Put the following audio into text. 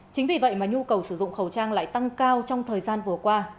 chính vì vậy mà nhu cầu sử dụng khẩu trang lại tăng cao trong thời gian vừa qua